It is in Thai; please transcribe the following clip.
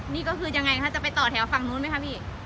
นี่ก็คือยังไงคะจะไปต่อแถวฝั่งนู้นไหมคะพี่